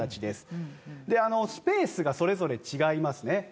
であのスペースがそれぞれ違いますね。